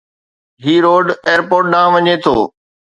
هي road airport ڏانهن وڃي ٿو